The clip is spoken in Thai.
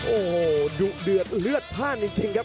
โอ้โหดุเดือดเลือดพลาดจริงครับ